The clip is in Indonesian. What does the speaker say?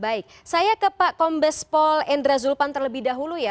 baik saya ke pak kombespol endra zulpan terlebih dahulu ya